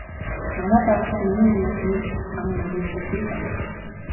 Манай дарга ч миний үгнээс нэг их ам мурийдаггүй хүн.